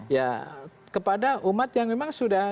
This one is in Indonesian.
ya kepada umat yang memang sudah